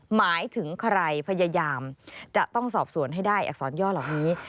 หมายถึงใครพยายามจะต้องสอบสวนให้ได้อักษรย่อเหล่านี้